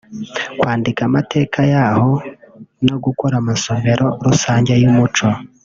kwandika amateka yaho no gukora amasomero rusange y’umuco